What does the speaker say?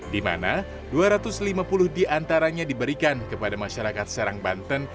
di mana dua ratus lima puluh diantaranya diberikan kepada masyarakat serang banten